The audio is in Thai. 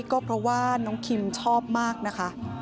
ก็เพราะว่าน้องคิมชอบมากนะคะ